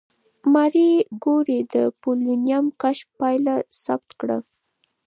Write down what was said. ماري کوري د پولونیم کشف پایله ثبت کړه.